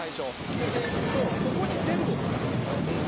捨てていくとここに全部を書かなきゃいけないんですよ。